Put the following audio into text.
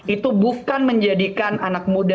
itu bukan menjadikan anak muda